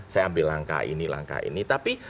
saya ambil langkah ini langkah ini tapi